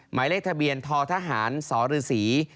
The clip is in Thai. หมายเลขทะเบียนทอทหารสศ๙๐๓๙